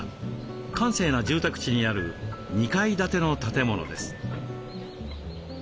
閑静な住宅地にある２階建ての建物です。